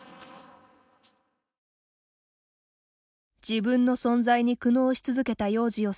自分の存在に苦悩し続けたようじよ